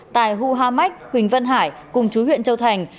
tài hu ha mách huỳnh vân hải cùng chú huyện châu thành